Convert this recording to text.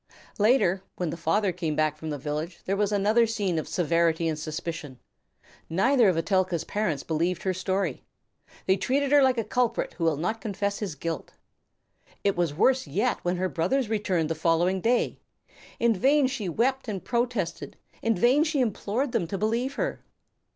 Later, when the father came back from the village, there was another scene of severity and suspicion. Neither of Etelka's parents believed her story. They treated her like a culprit who will not confess his guilt. It was worse yet when her brothers returned the following day. In vain she wept and protested, in vain she implored them to believe her.